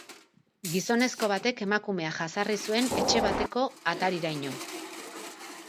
Gizonezko batek emakumea jazarri zuen etxe bateko atariraino.